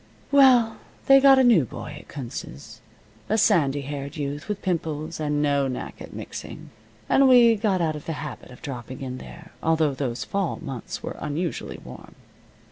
Well, they got a new boy at Kunz's a sandy haired youth, with pimples, and no knack at mixing, and we got out of the habit of dropping in there, although those fall months were unusually warm.